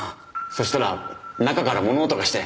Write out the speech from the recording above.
そしたら中から物音がして。